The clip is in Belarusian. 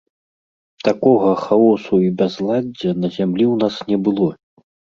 Такога хаосу і бязладдзя на зямлі ў нас не было!